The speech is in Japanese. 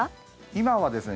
今はですね